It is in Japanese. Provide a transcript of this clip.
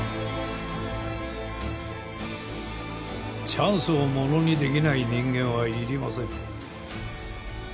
チャンスをものに出来ない人間はいりません。